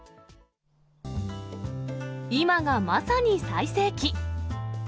今がまさに最盛期。